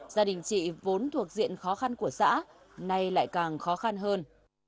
gia đình chị vốn thuộc diện khó khăn của xã nay lại càng khó khăn hơn